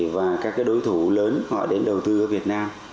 và các đối thủ lớn họ đến đầu tư ở việt nam